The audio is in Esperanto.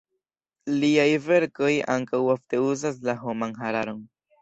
Liaj verkoj ankaŭ ofte uzas la homan hararon.